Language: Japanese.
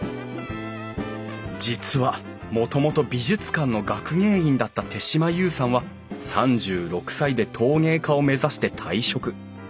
実はもともと美術館の学芸員だった手島裕さんは３６歳で陶芸家を目指して退職。